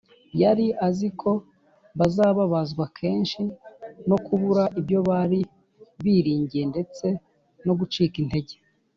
yari azi ko bazababazwa kenshi no kubura ibyo bari biringiye ndetse no gucika intege